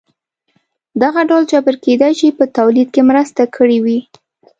دغه ډول جبر کېدای شي په تولید کې مرسته کړې وي.